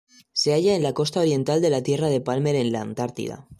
Se halla en la costa oriental de la Tierra de Palmer en la Antártida.